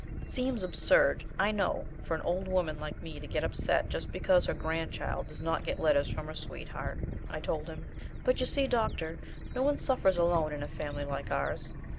"It seems absurd, I know, for an old woman like me to get upset just because her grandchild does not get letters from her sweetheart," I told him. "But you see, doctor, no one suffers alone in a family like ours.